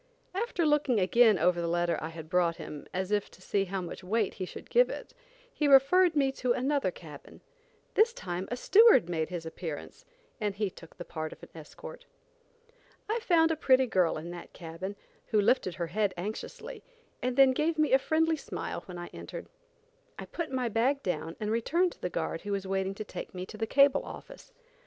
After looking again over the letter I had brought him, as if to see how much weight he should give it, he referred me to another cabin. This time a steward made his appearance and he took the part of an escort. I found a pretty girl in that cabin, who lifted her head anxiously, and then gave me a friendly smile when I entered. I put my bag down and returned to the guard who was waiting to take me to the cable office.